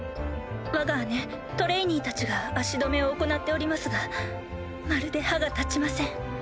わが姉トレイニーたちが足止めを行っておりますがまるで歯が立ちません。